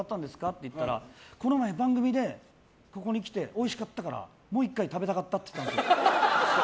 って言ったらこの前、番組でここに来ておいしかったからもう１回食べたかったって言ったんですよ。